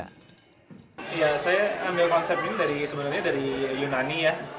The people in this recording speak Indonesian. saya ambil konsep ini sebenarnya dari yunani ya